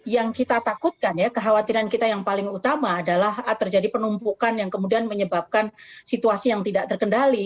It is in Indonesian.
yang kita takutkan ya kekhawatiran kita yang paling utama adalah terjadi penumpukan yang kemudian menyebabkan situasi yang tidak terkendali